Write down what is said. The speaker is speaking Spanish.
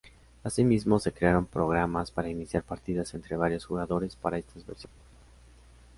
Asimismo, se crearon programas para iniciar partidas entre varios jugadores para estas versiones.